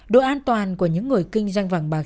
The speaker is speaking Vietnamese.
độ an toàn của những người kinh doanh vàng bạc